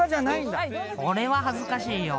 ［これは恥ずかしいよ。